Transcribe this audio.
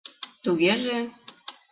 — Тугеже...